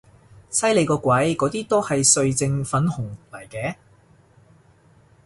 犀利個鬼，嗰啲都係歲靜粉紅嚟嘅